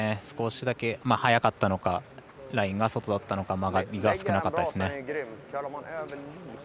少しだけ速かったのかラインが外だったのか曲がりが少なかったですね。